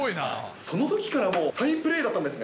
そのときからもうサインプレーだったんですね。